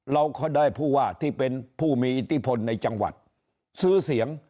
เราก็ได้ผู้ว่าที่เป็นผู้มีอิทธิพลในจังหวัดซื้อเสียง